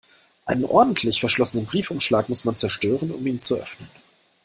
Einen ordentlich verschlossenen Briefumschlag muss man zerstören, um ihn zu öffnen.